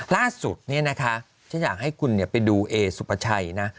ล่าสุดเนี่ยนะคะฉันอยากให้คุณไปดูเอสุภาชัยนะ